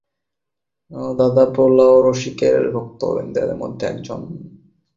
সৌরভীর দাদা গোপালও রসিকের ভক্তবৃন্দের মধ্যে একজন অগ্রগণ্য ছিল।